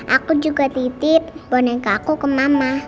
aku juga titip boneka aku ke mama